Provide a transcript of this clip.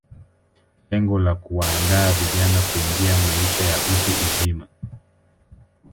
Lengo la kuwaandaa vijana kuingia maisha ya utu uzima